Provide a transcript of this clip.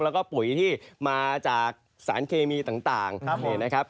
แล้วก็ปุ๋ยที่มาจากสารเคมีต่างนี่นะครับ